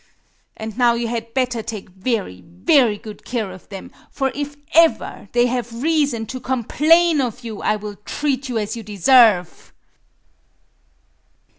And now you had better take very, very good care of them; for if ever they have reason to complain of you, I will treat you as you deserve!"...